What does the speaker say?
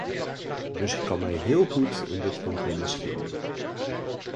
Dus ik kan mij heel goed in dit compromis vinden.